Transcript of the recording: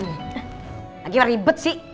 lagi ribet sih